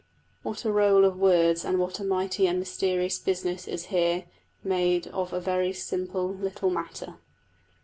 What a roll of words and what a mighty and mysterious business is here made of a very simple little matter!